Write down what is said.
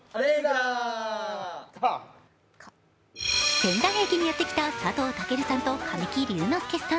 仙台駅にやってきた佐藤健さんと神木隆之介さん。